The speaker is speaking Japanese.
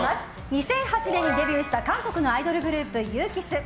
２００８年にデビューした韓国のアイドルグループＵＫＩＳＳ。